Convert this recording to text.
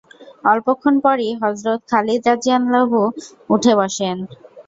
অল্পক্ষণপরই হযরত খালিদ রাযিয়াল্লাহু আনহু উঠে বসেন।